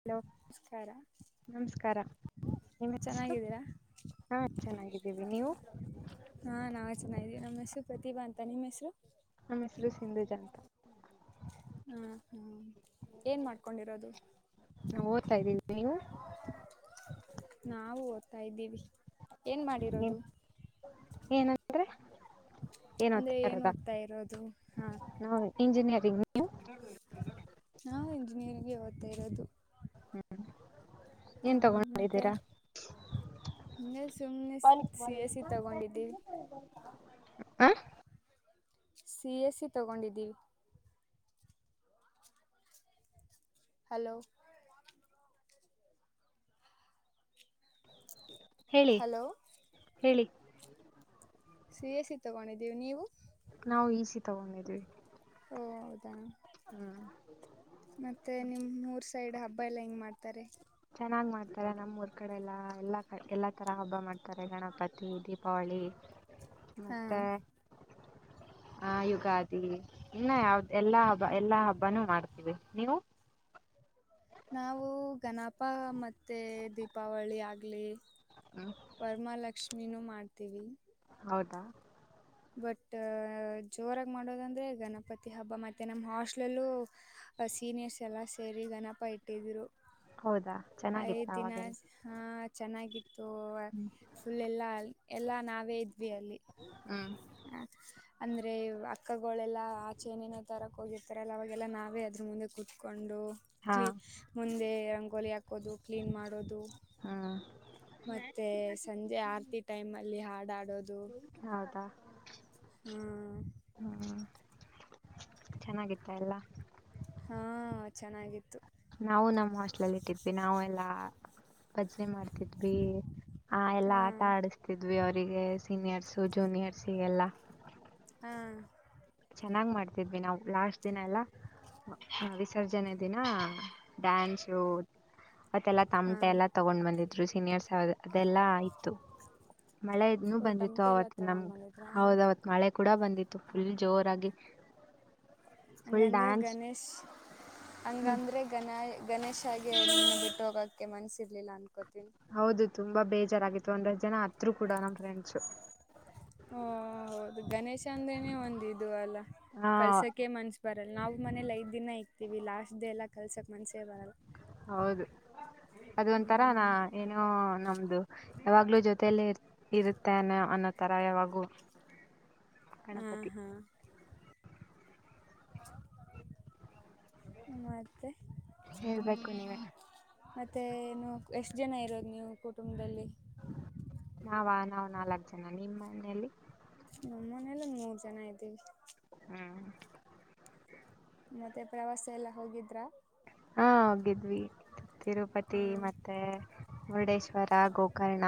Hello ನಮಸ್ಕಾರ ನಮಸ್ಕಾರ ನಿಷ್ಟು ಚೆನ್ನಾಗಿದ್ದೀರಾ ಹಾ ಚೆನ್ನಾಗಿದ್ದೀವಿ ನೀವು ಹಾ ನಾವ ಚೆನ್ನಾಗ ಇದ್ವಿ ನಮ್ಮ ಹೆಸರು ಪ್ರತಿಭಾ ಅಂತ ನಿಮ್ಮ್ ಹೆಸರು ನ ಹೆಸರು ಸಿಂಧು ಜನಂತ ಹ್ಮ ಹ್ಮ ಏನ್ ಮಾಡ್ಕೊಂಡಿರೋದು ನಾವು ಓದ್ತಾ ಇದ್ದೀವಿ ನೀವು ನಾವು ಓದ್ತಾ ಇದ್ದೀವಿ ಏನ್ ಮಾಡಿರೋದು ಏನಂದ್ರೆ ಅಂದ್ರೆ ಏನತ್ತ ಏನ್ ಇದ ಓದ್ತಾ ಇರೋದು ಹಾ ನ ಇಂಜಿನಿಯರ್. [unintelligible] [unintelligible] ನಾವು ಇಂಜಿನಿಯರಿಂಗ್ಗೆ ಓದ್ತಾ ಇರೋದು ಹ್ಮ್ ಹಾ ಏನ್ ಮತ್ತೆ ತಗೊಂಡಿದಿರ ಹಿಂಗೆ ಸುಮ್ಮನೆ ಸಿ ಎಸ್ ಸಿ ತಗೊಂಡಿದ್ದೀವಿ [unintelligible] ಹಾ ಸಿ ಎಸ್ ಸಿ ತಗೊಂಡಿದ್ದೀವಿ ಹಲೋ ಹೇಳಿ ಹಲೋ [inaudible] ಹೇಳಿ ಸಿ ಎಸ್ ಸಿ ತಗೊಂಡಿದೀವಿ ನೀವು ನಾವು ಇ ಸಿ ತಗೊಂಡಿದ್ವಿ ಹೌದಾ ಹಾ ಮತ್ತೆ ನಿಮ್ಮ್ ಊರ್ ಸೈಡ್ ಹಬ್ಬ ಎಲ್ಲಾ ಹೆಂಗ್ ಮಾಡ್ತಾರೆ ಚೆನ್ನಾಗ್ ಮಾಡ್ತಾರೆ ನಮ್ಮ ಊರ್ ಕಡೆ ಎಲ್ಲ ಎಲ್ಲ ಎಲ್ಲ ತರ ಹಬ್ಬ ಮಾಡ್ತಾರೆ ಗಣಪತಿ ದೀಪಾವಳಿ ಹಾಂ ಮತ್ತೆ [inaudible] ಆ ಯುಗಾದಿ ಇನ್ನ ಯಾವ್ದ ಎಲ್ಲಾ ಹಬ್ಬ ಎಲ್ಲಾ ಹಬ್ಬಾನೂ ಮಾಡ್ತೀವಿ ನೀವು ನಾವು ಗಣಪ ಮತ್ತೆ ದೀಪಾವಳಿ ಆಗ್ಲಿ ಹ್ಮ್ ವರಮಹಾಲಕ್ಷ್ಮಿನ್ನು ಮಾಡ್ತೀವಿ ಹೌದಾ ಬಟ್ ಜೋರಾಗಿ ಮಾಡೋದಂದ್ರೆ ಗಣಪತಿ ಹಬ್ಬ ಮತ್ತೆ ನಮ್ಮ ಹಾಸ್ಟ್ಲಲ್ಲೂ ಸೀನಿಯರ್ಸ್ ಎಲ್ಲಾ ಸೇರಿ ಗಣಪ ಇಟ್ಟಿದ್ರು ಹೌದಾ ಚೆನ್ನಾಗಿತ್ತ ಐದ್ ದಿನ ಅವಾಗೆಲ್ಲ ಹ ಚೆನ್ನಾಗಿತ್ತು ಫುಲ್ ಎಲ್ಲ ಎಲ್ಲಾ ನಾ ನಾವೇ ಇದ್ವಿ ಅಲ್ಲಿ ಹ್ಮ್ ಅಂದ್ರೆ ಅಕ್ಕಗಳೆಲ್ಲ ಆಚೆನೇನೋ ತರಕ್ ಹೋಗಿರ್ತಾರಲ್ಲ ಅವಾಗೆಲ್ಲಾ ನಾವೇ ಅದ್ರ ಮುಂದೆ ಕುತ್ಕೊಂಡು ಹಾ ಮುಂದೆ ರಂಗೋಲಿ ಹಾಕೋದು ಕ್ಲೀನ್ ಮಾಡೋದು ಹಾ ಮತ್ತೆ ಸಂಜೆ ಆರತಿ ಟೈಮ್ ಅಲ್ಲಿ ಹಾಡಾಡೋದು ಹೌದಾ ಹಾ ಚೆನ್ನಾಗಿತ್ತ ಎಲ್ಲ ಹಾ ಚೆನ್ನಾಗಿತ್ತು ನಾವು ನಮ್ಮ ಹಾಸ್ಟ್ಲಲ್ಲಿ ಇಟ್ಟಿದ್ವಿ ನಾವೆಲ್ಲಾ ಭಜನೆ ಮಾಡ್ತಿದ್ವಿ ಆ ಎಲ್ಲಾ ಹಾ ಆಟ ಆಡಸ್ತಿದ್ವಿ ಅವ್ರ ಅವರಿಗೆ ಸೀನಿಯರ್ಸ್ ಜೂನಿಯರ್ಸ್ಗೆಲ್ಲ ಹಾ ಚೆನ್ನಾಗ್ ಮಾಡ್ತಿದ್ವಿ ನಾವು ಲಾಸ್ಟ್ ದಿನ ಎಲ್ಲ ಹಾ ವಿಸರ್ಜನೆ ದಿನ ಡ್ಯಾನ್ಸು ಮತ್ತೆಲ್ಲಾ ಹಾ ತಮಟೆ ಎಲ್ಲ ತಗೊಂಡ್ ಬಂದಿದ್ರು ಸೀನಿಯರ್ಸ್ ಅದೆಲ್ಲಾ ಆಯ್ತು ಮಳೆ ಓ ಬಂದಿತ್ತು ಟಮಟೆ ಎಲ್ಲ ಅವತ್ ನಮ್ ತಗೊಂಡ್ ಬಂದಿದ್ರಾ ಹೌದ ಅವತ್ ಮಳೆ ಕೂಡ ಬಂದಿತ್ತು ಫುಲ್ ಜೋರಾಗಿ ಫುಲ್ ಅಂಗಾಂದ್ರೆ ಡ್ಯಾನ್ಸ್ ಗಣೇಶ್ ಹ್ಮ್ ಅಂಗಾಂದ್ರೆ ಗಣಾಯ ಗಣೇಶ ಹಾಗೆ ನೀನ್ನ ಬಿಟ್ಟು ಹೋಗೋಕ್ಕೆೆ ಮನಸಿರ್ಲಿಲ್ಲ ಅನ್ಕೋತ ಹೌದು ತುಂಬಾ ಬೇಜಾರಾಗಿತ್ತು ಒಂದಷ್ಟು ಜನ ಅತ್ರರು ಕೂಡ ನಮ್ ಫ್ರೆಂಡ್ಸ ಹಾ ಹೌದು ಗಣೇಶ್ ಅಂದ್ರೇನೆ ಒಂದ ಇದು ಅಲ್ಲ ಹಾ ಕಳಸಕ್ಕೆ ಮನಸು ಬರಲ್ಲ ನಾವು ಮನೇಲಿ ಐದ್ ದಿನ ಇಕ್ತೀವಿ ಲಾಸ್ಟ್ ಡೇ ಎಲ್ಲ ಕಳಸಕ್ಕೆ ಮನಸೇ ಬರಲ್ಲ ಹೌದು [inaudible] ಅದೊಂತರ ನಾ ಹ್ಮ್ ಏನೋ ನಮ್ದು ಯಾವಾಗಲೂ ಜೊತೆಯಲ್ಲಿ ಇರುತ್ತೆೋ ಅನ್ನೋ ಥರ ಯಾವಾಗೂ ಗಣಪತಿ ಹ ಹಾ ಮತ್ತೆ ಹೇಳ್ಬೇಕು ನೀವೇ ಮತ್ತೇನು ಎಷ್ಟ್ ಜನ ಇರೋದು ನೀವು ಕುಟುಂಬದಲ್ಲಿ. ನಾವ, ನಾವುನಾಲ್ಕ್ ಜನ. ನಿಮ್ಮ ಮನೆಯಲ್ಲಿ ನಮ್ಮ ಮನೇಲ್ಲಿ ಮೂರ್ ಜನ ಇದ್ದೀವಿ. ಹ್ಮ್ ಮತ್ತೆ ಪ್ರವಾಸ ಎಲ್ಲಾ ಹೋಗಿದ್ರಾ, ಹ್ಮ, ಹೋಗಿದ್ವಿ ಹ ತಿರುಪತಿ ಮತ್ತೆ ಮುರುಡೇಶ್ವರ ಗೋಕರ್ಣ.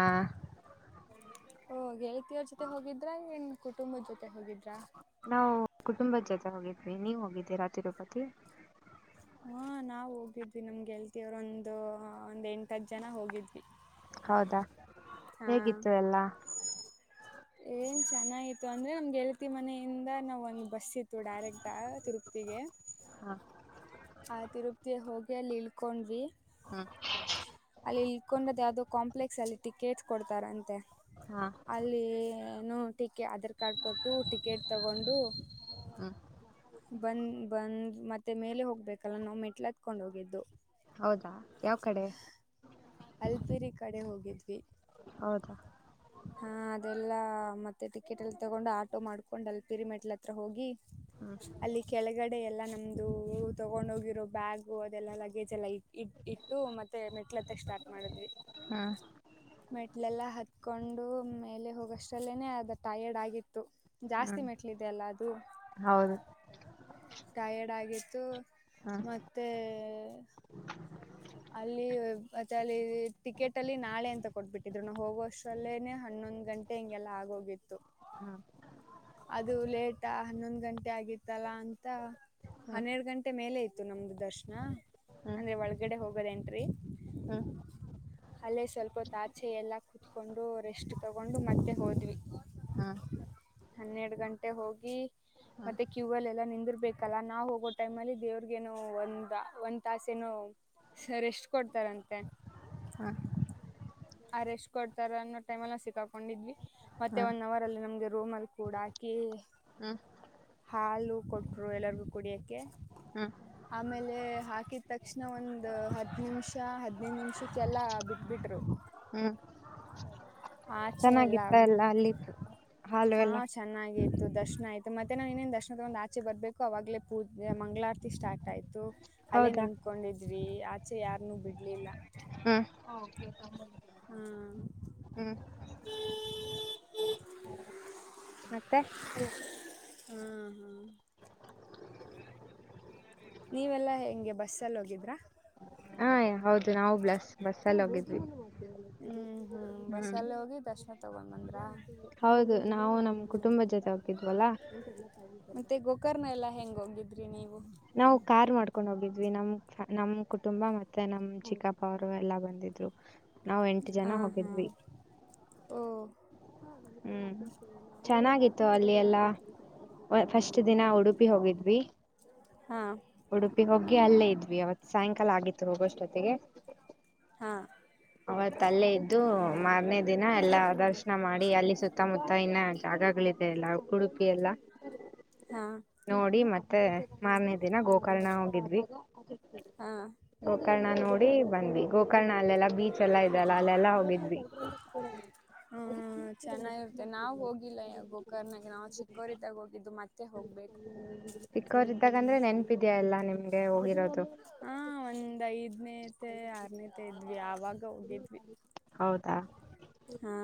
ಹ್ಮ, ಗೆಳತಿಯ್ರ ಜೊತೆ ಹೋಗಿದ್ರನ್ ಕುಟುಂಬದ ಜೊತೆ ಹೋಗಿದ್ರಾ, ನಾವ ಕುಟುಂಬದ ಜೊತೆ ಹೋಗಿದ್ವಿ ನೀವ ಹೋಗಿದ್ದೀರಾ ತಿ ರೂಪತಿ ಹಾ, ನಾವ್ ಹೋಗಿದ್ವಿ ನಮ್ಗೆಗೆಲ್ತಿರು, ಒಂದು ಒಂದ್ ಎಂಟ ಹತ್ತ್ ಜನ ಹೋಗಿದ್ವಿ. ಹೌದಾ, ಹೇಗಿತ್ತು ಎಲ್ಲಾ ಏನ್ ಚೆನ್ನಾಗಿತ್ತು ಅಂದ್ರೆ ನಮ್ಗೆ ಗೆಳತಿ ಮನೆಯಿಂದ ನಾವ್ ಒಂದ್ ಬಸ್ ಇತ್ತು. ಡೈರೆಕ್ಟ್ ತಿರುಪತಿಗೆ. ಹ ಆ ತಿರುಪತಿಯಲ್ಲಿ ಹೋಗಿ ಅಲ್ಲಿ ಇಳ್ಕೊಂಡಿವಿ. ಹ್ಮ್ ಅಲ್ಲಿ ಇಲ್ಕೊಂಡದ್ ಯಾವ್ದೋ ಕಾಂಪ್ಲೆಕ್ಸಲ್ಲಿ ಟಿಕೆಟ್ಸ್ ಕೊಡ್ತಾರಂತೆ ಹಾ ಅಲ್ಲಿ ನ ಟಿಕೆ ಆಧಾರ್ ಕಾರ್ಡ್ ಕೊಟ್ಟು ಟಿಕೆಟ್ ತಗೊಂಡು, ಹ್ಮ [inaudible] ಬಂದ್- ಬಂದ್ ಮತ್ತೆ ಮೇಲೆ ಹೋಗ್ಬೇಕಲ್ಲ ನಾವು ಮೆಟ್ಲ ಹತ್ಕೊಂಡ್ ಹೋಗಿದ್ದು. ಹೌದಾ, ಯಾವ ಕಡೆ ಅಲ್ಬಿರಿ ಕಡೆ ಹೋಗಿದ್ವಿ. - ಹೌದಾ, ಹಾ, ಅದೆಲ್ಲಾ ಮತ್ತೆ ಟಿಕೆಟ್ ಎಲ್ಲ ತಗೊಂಡು ಆಟೋ ಮಾಡ್ಕೊಂಡ ಅಲ್ಲಿ ಪಿರಿಮೆಡ್ಲ್ ಹತ್ರ ಹೋಗಿ ಹ್ಮ್ ಅಲ್ಲಿ ಕೆಳಗಡೆ ಡೆ ಎಲ್ಲಾ ನಮ್ದು ತೊಗೊಂಡ್ ಹೋಗಿರೋ ಬ್ಯಾಗು ಅದೆಲ್ಲ ಲಗೇಜ್ ಎಲ್ಲ ಇ, ಇಟ್ಟು ಮತ್ತೆ ಮೆಟ್ಲ ಮಾಡಿದ್ವಿ. ಹ್ಮ್ ಮೆಟ್ಲೆಲ್ಲಾ ಹತ್ಕೊಂಡು ಮೇಲೆ ಹೋಗ ಆಷ್ಟಲ್ಲೇನೆ ಅದು ಟೈರ್ಡ್ ಆಗಿತ್ತು. ಜಾಸ್ತಿ ಹ್ಮ್ ಮೆಟ್ಲಿದಲ್ಲ ಅದು ಹೌದು ಟಯರ್ಡ್ ಆಗಿತ್ತು ಹ್ಮ್ ಮತ್ತೆ ಅಲ್ಲಿ ಮತ್ತೆ ಅಲ್ಲಿ ಟಿಕೆಟ್ ಅಲ್ಲಿ ನಾಳೆ ಅಂತ ಕೊಟ್ಬಿಟ್ಟಿದ್ರು. ನಾ ಹೋಗುವ ಅಷ್ಟ್ರಲ್ಲೇನೆ ಹನ್ನೊಂದ್ ಗಂಟೆ ಹಿಂಗೆಲ್ಲ ಆಗೋಗಿತ್ತು. ಹ್ಮ್ ಅದು ಲೇಟ್ ಹನ್ನೊಂದು ಗಂಟೆ ಆಗಿತ್ತಲ್ಲಾ ಅಂತ ಹ್ಮ್ ಹನ್ನೆರಡು ಗಂಟೆ ಮೇಲೆ ಇತ್ತು ನಮ್ದು ದರ್ಶನ. ಹ್ಮ [unintelligible] ಗಡೆ ಹೋಗೋದ ಎಂಟ್ರಿ [unintelligible] ಅಲ್ಲೇ ಸ್ವಲ್ಪ ಆಚೆ ಎಲ್ಲ ಕುತ್ಕೊಂಡು ರೆಸ್ಟ್ ತಗೊಂಡು ಮತ್ತೆ ಹೋದ್ವಿ. ಹ್ಮ್ ಹನ್ನೆರಡು ಗಂಟೆ ಹೋಗಿ ಹ್ಮ್ ಮತ್ತೆ ಕ್ಯೂ ಅಲ್ಲಿ ಎಲ್ಲಾ ನಿಂದಿರ್ಬ, ಬೇಕಲ್ಲಾ ನಾವ್ ಹೋಗೋ ಟೈಮ್ ಅಲ್ಲಿ ದೇವ್ರಗೇನೋ ಒಂದ, ಒಂದ್ ತಾಸೇನು ಸರ್ ಎಷ್ಟ ಕೊಡ್ತಾರಂತೆ. ಹ್ಮ [inaudible] ಆ ರ ಎಷ್ಟ್ ಕೊಡ್ತಾರ ಅನ್ನೋ ಟೈಮಲ್ಲಿ ನಾವು ಸಿಕ್ಕಾಕೊಂಡಿದ್ವಿ. ಮತ್ತೆ ಹ್ಮ್ ಒನ್ ಅವರ್ ಅಲ್ಲಿ ನಮಗೆ ರೋಮಲ್ ಕೂಡಾಕಿ. ಹ್ಮ [inaudible] ಹಾಲು ಕೊಟ್ರು ಎಲ್ಲರಿಗೂ ಕುಡಿಯಕ್ಕೆ. ಹ್ಮ್ [inaudible] ಆಮೇಲೆ ಹಾಕಿದ ತಕ್ಷಣ ಒಂದು ಹತ್ತು ನಿಮಿಷ ಹದ್ನೈದು ನಿಮಿಷಕ್ಕೆಲ್ಲ ಬಿಟ್ಬಿಟ್ರು. ಹ್ಮ್ [unintelligible] ಆಚೆ ಚೆನ್ನಾಗಿತ್ತ ಎಲ್ಲ ಎಲ್ಲಾ ಅಲ್ಲಿದ್ದು. ಹಾಲು ಹಾ, ಎಲ್ಲ ಚೆನ್ನಾಗಿತ್ತು. ದರ್ಶನ ಆಯಿತು ಮತ್ತೆ ನಾನು ಇನ್ನೇನು, ದರ್ಶನ ತಗೊಂಡ್ ಆಚೆ ಬರಬೇಕು ಅವಾಗಲೇ ಪೂಜ ಮಂಗಳಾರತಿ ಸ್ಟಾರ್ಟ್ ಆಯಿತು. ಅಲ್ಲೇ ಹೌದಾ ನಿತ್ಕೊಂಡಿದ್ವಿ ಆಚೆ ಯಾರ್ನ್ನು ಬಿಡ್ಲಿಲ್ಲ. ಹ್ಮ್ ಹಾ ಹ್ಮ್ [unintelligible] ಹ್ಮ ಹ್ಮ [inaudible] ಮತ್ತೆ, ಹ್ಮ ಹಾ ನೀವೆಲ್ಲ ಹೆಂಗೆ ಬಸ್ಸಲ್ಲಿ ಹೋಗಿದ್ರಾ ಹ ಹೌದು ನಾವು ಬ್ಲಸ್ ಬಸ್ಲ್ಲಿ ಹೋಗಿದ್ವಿ ಹ್ಮ್ ಹ್ಮ್ ಬಸ್ಸಲ್ಲೇ ಹೋಗಿ ದರ್ಶನ ತಗೊಂಡಂದ್ರ ಹೌದು ನಾವು ನಮ್ ಕುಟುಂಬ ಜೊತೆ ಹೋಗಿದ್ವಲ್ಲ ಮತ್ತೆ ಗೋಕರ್ನ ಎಲ್ಲ ಹೆಂಗ ಹೋಗಿದ್ರಿ ನೀವು ನಾವು ಕಾರ್ ಮಾಡ್ಕೊಂಡ್ ಹೋಗಿದ್ವಿ ನಮ್ ನಮ್ ಕುಟುಂಬ ಮತ್ತೆ ನಮ್ ಚಿಕ್ಕಪ್ಪ ಅವರು ಎಲ್ಲಾ ಬಂದಿದ್ವಿ ನಾವ್ ಎಂಟು ಹಾ ಜನ ಹಾ ಹೋಗಿದ್ವಿ ಓ ಹ್ಮ್ ಚೆನ್ನಾಗಿತ್ತು ಅಲ್ಲಿ ಎಲ್ಲಾ ಫಸ್ಟ್ ದಿನ ಉಡುಪಿ ಹೋಗಿದ್ವಿ ಹಾ ಉಡುಪಿ ಹೋಗಿ ಅಲ್ಲೇ ಇದ ಅವತ್ತ ಸಾಯಂಕಾಲ ಆಗಿತ್ತು ಹೋಗುವಷ್ಟೊತ್ತಿಗೆ ಹಾ ಅವರ ತಲೆೆ ಇದ್ದು ಮಾರ್ನೇ ದಿನ ಎಲ್ಲಾ ದರ್ಶನ ಮಾಡಿ ಅಲ್ಲಿ ಸುತ್ತಮುತ್ತ ಇನ್ನ ಜಾಗಗಳಿದೆ ಎಲ್ಲ ಉಡುಪಿ ಎಲ್ಲ ಹಾ ನೋಡಿ ಮತ್ತೆ ಮತ್ತೆ ಮಾರ್ನೇ ದಿನ ಗೋಕರ್ಣ ಹೋಗಿದ್ವಿ ಹಾ ಗೋಕರ್ಣ ನೋಡಿ ಬಂದ್ವಿ ಗೋಕರ್ಣ ಅಲ್ಲೆಲ್ಲ ಬೀಚ್ ಎಲ್ಲ ಇದದೆಲ್ಲ ಅಲ್ಲೆಲ್ಲಾ ಹೋಗಿದ್ವಿ ಹ್ಮ್ ಚೆನ್ನಾಗಿರುತ್ತೆ ನಾವ್ ಹೋಗಿಲ್ಲ ಗೋಕರ್ನಾಗ ನಾವು ಚಿಕ್ಕೋರಿದಾಗ ಹೋಗಿದ್ದು ಮತ್ತೆ ಹೋಗ್ಬೇಕು ಸಿಿಕ್ಕೋರಿದ್ದಾಗ ಅಂದ್ರೆ ನೆನಪಿದ್ಯಾಾ ಎಲ್ಲ ನಿಮ್ಗೆ ಹೋಗಿರೋದು ಹ ಒಂದ್ ಐದ್ನೇತೆ ಆರನೇತೆ ಇದ್ವಿ ಯಾವಾಗ ಹೌದಾ ಹಾ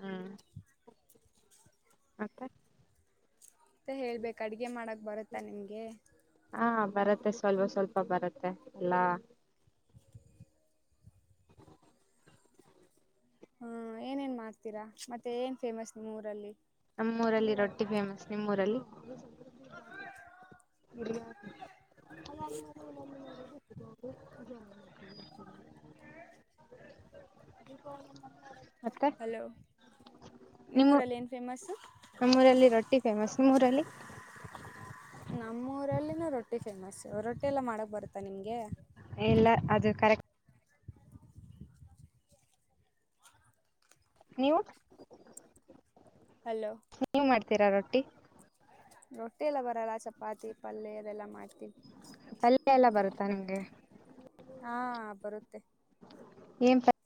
ಹ್ಮ್ ಮತ್ತ ಹೇಳ್ಬೇಕ ಅಡ್ಗೆ ಮಾಡಕ್ ಬರುತ್ತಾ ನಿಮಗೆ ಹಾ ಬರತ್ತೆ ಸ್ವಲ್ಪ ಸ್ವಲ್ಪ ಬರತ್ತೆ ಎಲ್ಲಾ ಹ್ಮ ಏನೇನ್ ಮಾಡ್ತೀರಾ ಮತ್ತೆ ಏನ್ ಫೇಮಸ್ ನಿಮ್ಮ್ ಊರಲ್ಲಿ ನಿಮ್ಮೂರಲ್ಲಿ ರೊಟ್ಟಿ ಫೇಮಸ್ ನಿಮ್ಮೂರಲ್ಲಿ ಾ ಪ ಹಲೋ ನಿಮ್ಮೂರಲ್ಲಿ ಏನ್ ಫೇಮಸ್ಸು ನಮ್ಮೂರಲ್ಲಿ ರೊಟ್ಟಿ ಫೇಮಸ್ ನಿಮ್ಮೂರಲ್ಲಿ ನಮ್ಮೂರಲ್ಲಿನೂ ರೊಟ್ಟಿ ಫೇಮಸ್ ರೊಟ್ಟಿ ಎಲ್ಲ ಮಾಡಕ್ ಬರುತ್ತಾ ನಿಮ್ಗೆ ಎಲ್ಲ ಅದು ಕರೆಕ್ಟ್ ನೀವು ಹಲೋ ನೀವು ಮಾಡ್ತೀರಾ ರೊಟ್ಟಿ ರೊಟ್ಟಿ ಎಲ್ಲ ಬರಲ್ಲ ಚಪಾತಿ ಪಲ್ಯ ಅದೆಲ್ಲ ಮಾಡ್ತೀವಿ ಪಲ್ಲಯ ಎಲ್ಲ ಬರುತ್ತಾ ನಿಂಗೆ ಹಾ ಬರುತ್ತೆ ಏನ್ ಪಲ್ಲೆ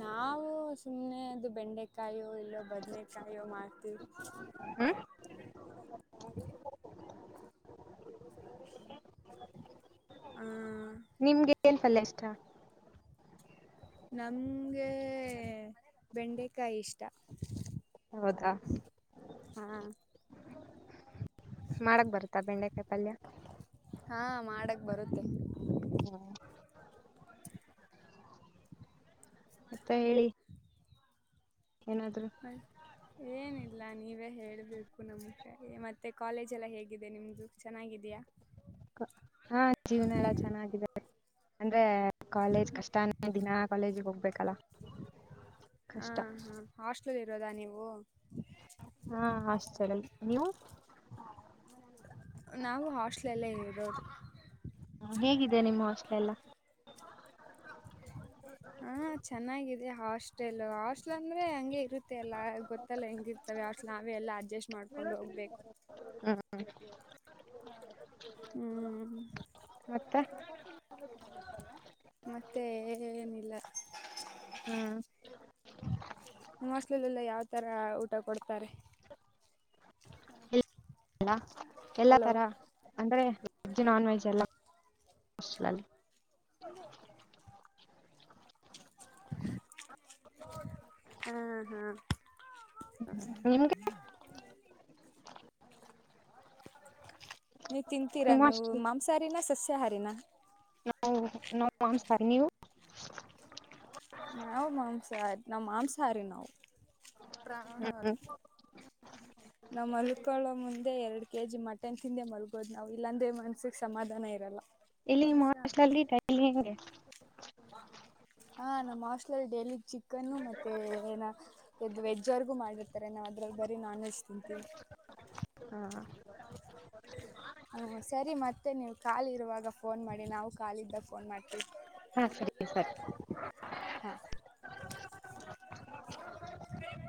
ನಾವು ಸುಮ್ಮ್ನೆದು ಬೆಂಡೆಕಾಯು ಇ ಇ ಬೆ ಕಾಯೋ ಮಾಡಾರ್ತಿ ಹ್ಮ ಹಾ ನಿಮ್ಗೆಲ್ ಫಲ್ ಇಷ್ಟ ನಮ್ಗೆ ಬೆಂಡೆಕಾಯಿ ಇಷ್ಟ ಹೌದಾ ಹಾ ಮಾಡಕ್ ಬರುತ್ತಾ ಬೆಂಡೆಕಾಯಿ ಪಲ್ಯ ಹಾ ಮಾಡಕ್ ಬರುತ್ತೆ ಹ್ಮ ಮತ್ತಾ ಹೇಳಿ ಏನಾದ್ರು ಏನಇಲ್ಲ ಎಲ್ಲ ನೀವೇ ಹೇಳ್ಬೇಕು ನಮ್ಗೆ ಮತ್ತೆ ಕಾಲೇಜ್ ಎಲ್ಲ ಹೇಗಿದೆ ನಿಮ್ದು ಚೆನ್ನಾಗಿದಯಾ ಹಾ ಜೀವನ ಎಲ್ಲ ಚೆನ್ನಾಗಿದ್ದಾರೆ ಅಂದ್ರೆ ಕಾಲೇಜ್ ಕಷ್ಟಾನೇ ದಿನಾ ಕಾಲೇಜಿಗೆ ಹೋಗ್ಬೇಕಲ್ಲ ಹ ಹಾ ಕಷ್ಟ ಹಾಸ್ಟ್ಲ್ ಇರೋದಾ ನೀವು ಹಾ ಅಷ್ಟ ನೀವು ನಾವು ಹಾಸ್ಟೆಲ್ ಹೇಗಿದೆ ನಿಮ್ಮ ಅಷ್ಟಲೆಲ್ಲ ಹ ಚೆನ್ನಾಗಿದೆ ಹಾಸ್ಟೆಲ್ ಹಾಸ್ಟೆಲ್ ಅಂದ್ರೆ ಹಂಗೆ ಇರುತ್ತ ಮತ್ತೆ ಎಲ್ಲ ಗೊತ್ತಲ್ಲ ಹೆಂಗಿರ್ತವೆ ಅವಟ್ ನಾವೇ ಎಲ್ಲ ಅಡ್ಜಸ್ಟ್ ಮಾಡ್ಕೊಂಡ್ ಹೋಗ್ಬೇಕು ಹಾ ಹ್ಮ್ ಮತ್ತೆ ಮತ್ತೆ ಏನಿಲ್ಲ ಹ್ಮ್ ನಿಮ್ಮ ಅಸ್ಲಲೆೆಲ್ಲ ಯಾವ ತರ ಊಟ ಕೊಡ್ತಾರೆ ಅಲ್ಲ ಎಲ್ಲ ಹಲೋ ತರ ಅಂದ್ರೆ ವೆಜ್ ನಾನ್ ವೆಜ್ ಎಲ್ಲ ಮ [unintelligible] ಹಾ ಹಾ ನಿಮ್ಗೆ [inaudible] ನೀವ್ ತಿಂತೀರಾ ನಿಮ್ಮ ನೀವು ಹಾಸ್ಟೆಲ್ ಮಾಂಸಾಹಾರಿನ ಸಸ್ಯಾಹಾರಿನ ನ ನೋ ಮಾಂಸ್ ಸಾರಿ ನೀವು ನಾವು ಮಾಂಸಾಹಾರಿ ನಾ ಮಾಂಸಾಹಾರಿ ನಾವು ಪ್ರಾಣರಿ ನಮ್ಮ್ ಹಲ್ಕಳ ಮುಂದೆ ಎರಡು ಕೆ ಜಿ ಮಟನ್ ತಿಂದೆ ಮರ್ಗೋದ್ ನಾವು ಇಲ್ಲಾಂದ್ರೆ ಮನ್ಸಿಗೆ ಸಮಾಧಾನ ಇರಲ್ಲ ಇಲ್ಲಿ ಮನುಷ್ಯಾಹಾರಿ ಮಾರ್ಷಲ್ಲಿಟ ಇಲ್ಲಿ ಹೆಂಗೆ ಹಾ ನಮ್ಮ್ ಆಸ್ಟ್ಲರ್ ಡೆಲ್ಲಿಲಿ ಚಿ ಚಿಕನ್ನು ಮತ್ತೆ ಏನ ಎ ವೆಜ್ವರ್ಗೂ ಮಾಡಿರ್ತಾರೆ ನಾವು ಅದ್ರಲ್ಲಿ ಬರೀ ನಾನ್ ವೆಜ್ ತಿಂತೀವಿ ಹ [unintelligible] ಹಞ ಸರಿ ಮತ್ತೆ ನೀವು ಕಾಾಲಿ ಇರುವಾಗ ಫೋನ್ ಮಾಡಿ ನಾವು ಕಾಲಿದ್ದಾಗ ಫೋನ್ ಮಾಡ್ತೀವಿವಿ ಹಾ ಸರಿ ಸರಿ ಹಾಂ [inaudible]